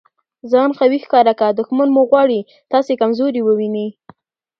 ځان قوي ښکاره که! دوښمن مو غواړي تاسي کمزوري وویني.